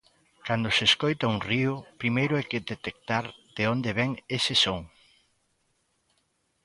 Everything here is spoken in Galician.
Cando se escoita un río, primeiro hai que detectar de onde vén ese son.